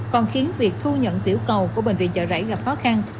còn khiến việc thu nhận tiểu cầu của bệnh viện chợ rẫy gặp khó khăn